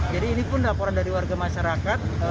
jadi ini pun laporan dari warga masyarakat